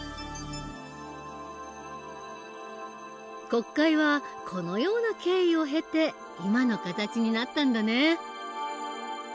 国会はこのような経緯を経て今の形になったんだね。